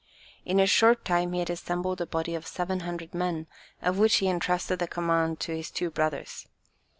In a short time he had assembled a body of 700 men, of which he entrusted the command to his two brothers.